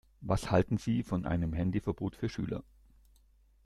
Was halten Sie von einem Handyverbot für Schüler?